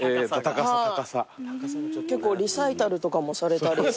結構リサイタルとかもされたり。